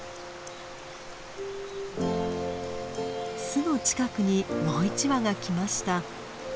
巣の近くにもう１羽が来ました。